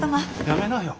やめなよ。